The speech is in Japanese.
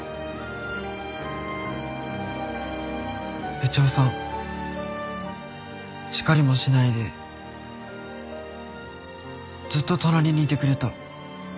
部長さん叱りもしないでずっと隣にいてくれた。